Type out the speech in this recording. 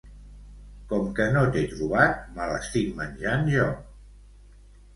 Com que no t'he trobat me l'estic menjant jo